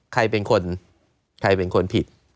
ใครเป็นคนใครเป็นคนผิด